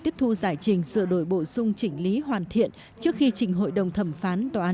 tiếp thu giải trình sửa đổi bổ sung chỉnh lý hoàn thiện trước khi trình hội đồng thẩm phán tòa án